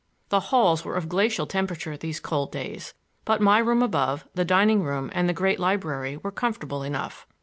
The halls were of glacial temperature these cold days, but my room above, the dining room and the great library were comfortable enough.